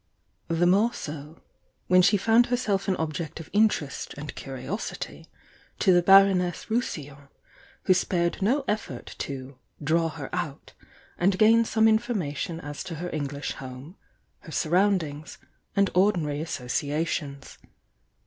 The more so, when she found herself an object of interest and curiosity to the Baroness Rou sillon, who spared no effort to "draw her out" and gain some information as to her English home, her surroundings and ordinary associations.